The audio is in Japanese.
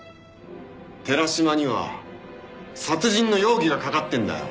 寺島には殺人の容疑がかかってんだよ。